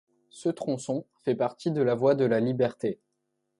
Ce tronçon fait partie de la voie de la Liberté.